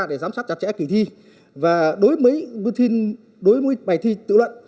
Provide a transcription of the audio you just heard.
để giám sát chặt chẽ kỳ thi và đối với bài thi tự luận